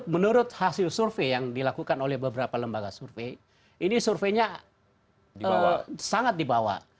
menurut hasil survei yang dilakukan oleh beberapa lembaga survei ini surveinya sangat dibawa